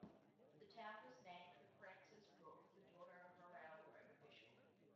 The town was named for Frances Brooks, the daughter of a railroad official.